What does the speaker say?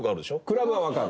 クラブはわかる。